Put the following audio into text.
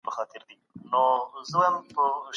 د اسلام مبارک دين موږ ته لارښوونه کوی.